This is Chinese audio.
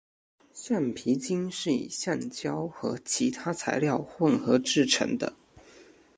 橡皮筋是以橡胶和其他材料混合制成的。